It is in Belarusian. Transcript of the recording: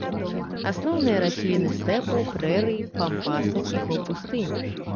Асноўныя расліны стэпаў, прэрый, пампасаў і паўпустынь.